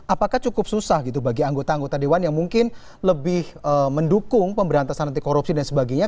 apakah cukup susah gitu bagi anggota anggota dewan yang mungkin lebih mendukung pemberantasan anti korupsi dan sebagainya